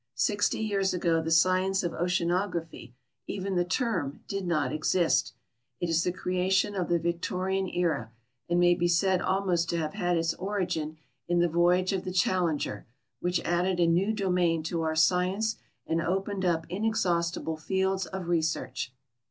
Sixty years ago the science of oceanography, even the term, did not exist. It is the creation of the Victorian era, and may be said almost to have had its origin in the voyage of the Challenger, which added a new domain to our science and opened up inexhaustible fields of research.